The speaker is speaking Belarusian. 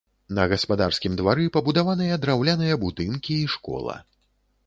На гаспадарскім двары пабудаваныя драўляныя будынкі і школа.